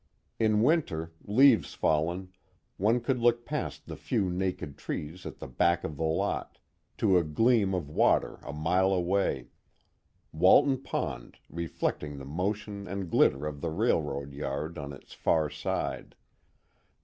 In winter, leaves fallen, one could look past the few naked trees at the back of the lot, to a gleam of water a mile away, Walton Pond reflecting the motion and glitter of the railroad yard on its far side.